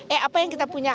eh apa yang kita punya